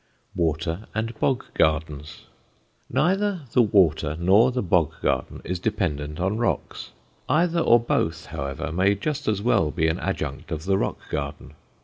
WATER AND BOG GARDENS Neither the water nor the bog garden is dependent on rocks. Either or both, however, may just as well be an adjunct of the rock garden.